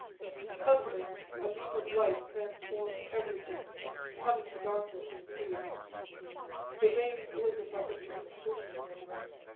Suddenly a beam of light transformed everything, cutting the darkness in two. The rain glittered like a bead curtain.